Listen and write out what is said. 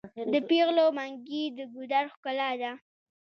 د پیغلو منګي د ګودر ښکلا ده.